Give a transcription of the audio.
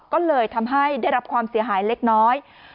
ก็เลยทำให้ได้รับความเสียหายเล็กน้อย